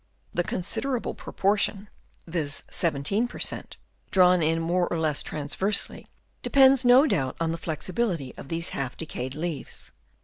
The considerable proportion, viz., 17 per cent., drawn in more or less transversely depends no doubt on the flexibility of these half decayed leaves.